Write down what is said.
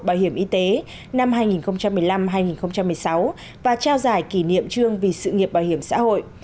bảo hiểm y tế năm hai nghìn một mươi năm hai nghìn một mươi sáu và trao giải kỷ niệm trương vì sự nghiệp bảo hiểm xã hội